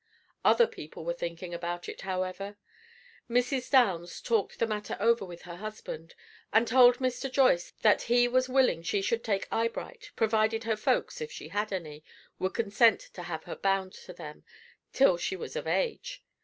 Other people were thinking about it, however. Mrs. Downs talked the matter over with her husband, and told Mr. Joyce that "He" was willing she should take Eyebright, provided her folks, if she had any, would consent to have her "bound" to them till she was of age.